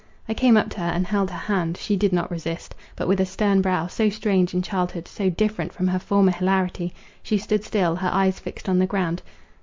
I came up to her, and held her hand; she did not resist, but with a stern brow, so strange in childhood, so different from her former hilarity, she stood still, her eyes fixed on the ground.